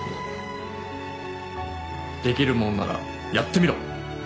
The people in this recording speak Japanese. できるもんならやってみろ！